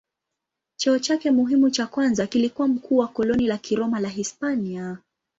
Cheo chake muhimu cha kwanza kilikuwa mkuu wa koloni la Kiroma la Hispania.